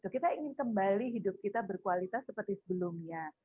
kita ingin kembali hidup kita berkualitas seperti sebelumnya